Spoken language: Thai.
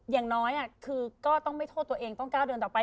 อย่างน้อยคือก็ต้องไม่โทษตัวเองต้องก้าวเดินต่อไป